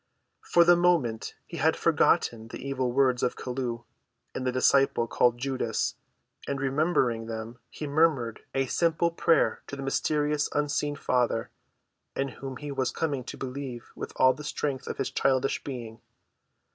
For the moment he had forgotten the evil words of Chelluh and the disciple called Judas; and, remembering them, he murmured a simple prayer to the mysterious, unseen Father, in whom he was coming to believe with all the strength of his childish being.